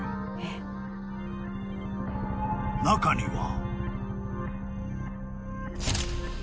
［中には］